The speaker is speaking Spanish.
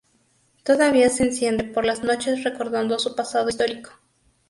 Todavía se enciende por las noches recordando su pasado histórico.